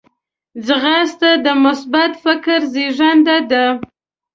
ځغاسته د مثبت فکر زیږنده ده